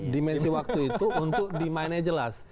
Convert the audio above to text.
dimensi waktu itu untuk demandnya jelas